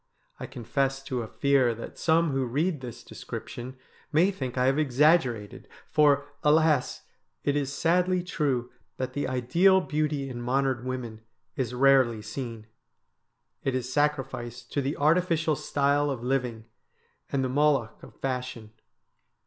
I confess to a fear that some who read this description may think I have exaggerated, for, alas ! it is sadly true that the ideal beauty in modern women is rarely seen. It is sacrificed to the artificial style of living and the Moloch of fashion.